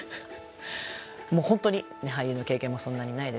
もう本当に俳優の経験もそんなにないですし。